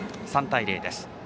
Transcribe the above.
３対０です。